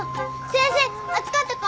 先生熱かったか？